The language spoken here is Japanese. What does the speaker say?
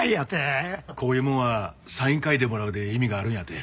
こういうもんはサイン会でもらうで意味があるんやて。